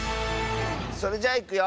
それじゃいくよ！